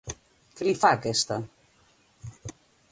Què li fa aquesta?